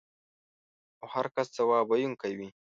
او هر کس ځواب ویونکی وي.